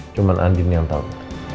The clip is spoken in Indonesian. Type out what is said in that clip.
cuma andi nih yang tau